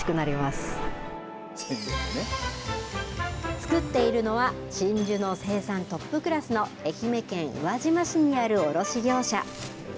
作っているのは真珠の生産トップクラスの愛媛県宇和島市にある卸業者。